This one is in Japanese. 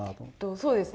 そうですね。